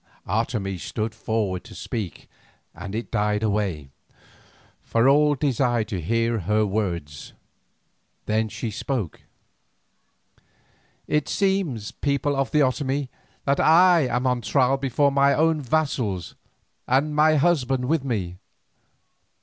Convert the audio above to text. Otomie stood forward to speak and it died away, for all desired to hear her words. Then she spoke: "It seems, people of the Otomie, that I am on my trial before my own vassals, and my husband with me.